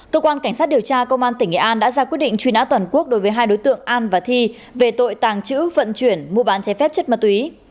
cơ quan cảnh sát điều tra công an tỉnh nghệ an đã ra quyết định truy nã toàn quốc đối với hai đối tượng an và thi về tội tàng trữ vận chuyển mua bán trái phép chất ma túy